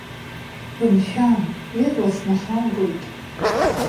Бымшәан, ирласны ҳалгоит.